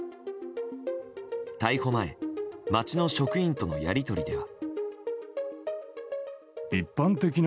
逮捕前町の職員とのやり取りでは。